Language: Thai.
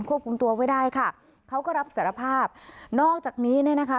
ควบคุมตัวไว้ได้ค่ะเขาก็รับสารภาพนอกจากนี้เนี่ยนะคะ